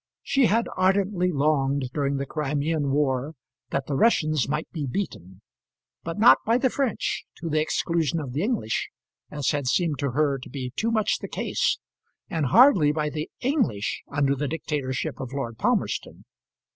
She had ardently longed, during that Crimean war, that the Russians might be beaten but not by the French, to the exclusion of the English, as had seemed to her to be too much the case; and hardly by the English under the dictatorship of Lord Palmerston.